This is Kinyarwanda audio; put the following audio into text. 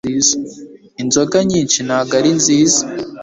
inzoga nyinshi ntabwo ari nziza